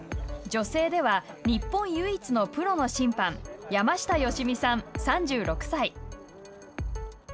女性では日本唯一のプロの審判山下良美さん、３６歳。